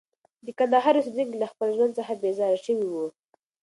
د کندهار اوسېدونکي له خپل ژوند څخه بېزاره شوي وو.